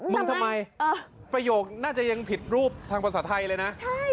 มึงทำไมประโยคน่าจะยังผิดรูปทางภาษาไทยเลยนะ